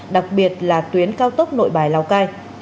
đặc biệt là tuyến cao tốc nội bài lào cai